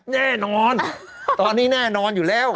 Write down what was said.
แน่นอนตอนนี้แน่นอนอยู่แล้ว